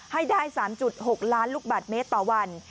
ให้ได้๓๖ล้านลูกบาทเมตรต่อวัน